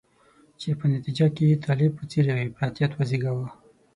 چې په نتیجه کې یې طالب په څېر یو افراطیت وزیږاوه.